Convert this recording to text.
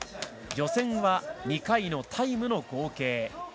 予選は２回のタイムの合計。